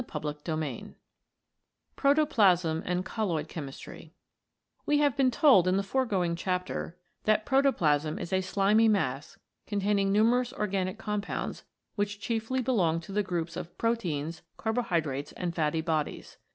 CHAPTER III PROTOPLASM AND COLLOID CHEMISTRY WE have been told in the foregoing chapter that protoplasm is a slimy mass contain ing numerous organic compounds which chiefly belong to the groups of proteins, carbohydrates, and fatty bodies.